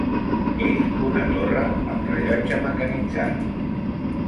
És una torre amb rellotge mecanitzat.